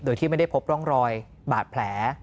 โดยที่ไม่ได้พบร่องรอยบาดแผล